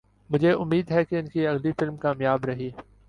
مجھے امید ہے کہ ان کی اگلی فلم کامیاب رہی